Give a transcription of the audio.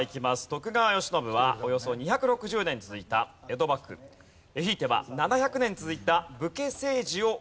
徳川慶喜はおよそ２６０年続いた江戸幕府ひいては。